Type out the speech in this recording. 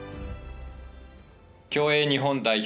競泳日本代表